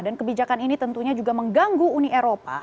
dan kebijakan ini tentunya juga mengganggu uni eropa